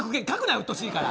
うっとうしいから。